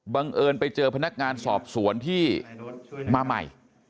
เอิญไปเจอพนักงานสอบสวนที่มาใหม่